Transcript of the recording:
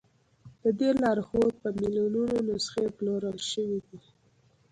د دې لارښود په میلیونونو نسخې پلورل شوي دي.